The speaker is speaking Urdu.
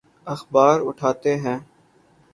اخبار اٹھاتے ہیں۔